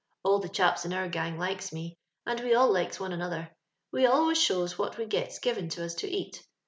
" All the chaps in our gang likes me, and we all likes one another. We always shows what we gets given to us to eat.